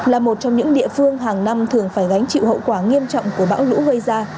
là một trong những địa phương hàng năm thường phải gánh chịu hậu quả nghiêm trọng của bão lũ gây ra